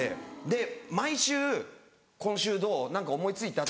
で毎週「今週どう？何か思い付いた？」